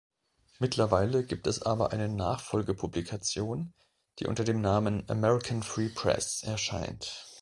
Mittlerweile gibt es aber eine Nachfolgepublikation, die unter dem Namen "American Free Press" erscheint.